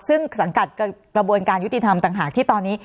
ซึ่งสังกัดกระบวนการยุติธรรมต่างหากที่ตอนนี้